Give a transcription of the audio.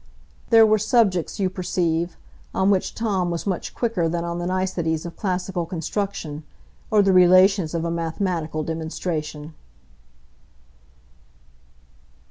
There were subjects, you perceive, on which Tom was much quicker than on the niceties of classical construction, or the relations of a mathematical demonstration.